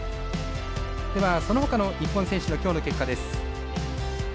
では、そのほかの日本選手のきょうの結果です。